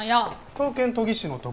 刀剣研ぎ師の所へ。